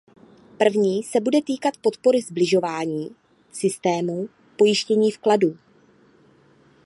První se bude týkat podpory sbližování systémů pojištění vkladů.